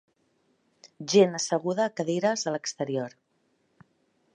Gent asseguda a cadires a l'exterior